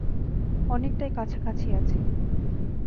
অনেকটাই কাছাকাছি আছি।